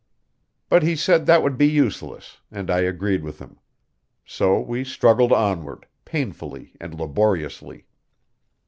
But he said that would be useless, and I agreed with him. So we struggled onward, painfully and laboriously.